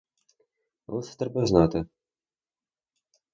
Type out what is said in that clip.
Але це треба знати.